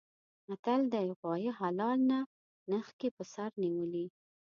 متل دی: غوایه حلال نه نښکي په سر نیولي.